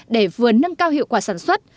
để vừa nâng cao hiệu quả sản xuất